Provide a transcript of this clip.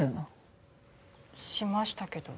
しましたけど。